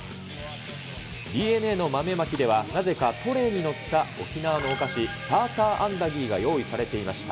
ＤｅＮＡの豆まきでは、なぜかトレーに載った沖縄のお菓子、サーターアンダギーが用意されていました。